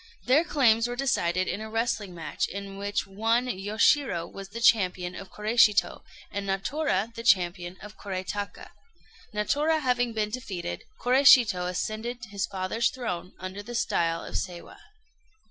Their claims were decided in a wrestling match, in which one Yoshirô was the champion of Koréshito, and Natora the champion of Korétaka. Natora having been defeated, Koréshito ascended his father's throne under the style of Seiwa.